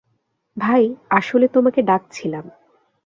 ভাই, আসলে তোমাকে ডাকছিলাম।